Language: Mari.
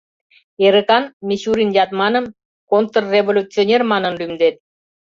Эрыкан Мичурин-Ятманым контрреволюционер манын лӱмден.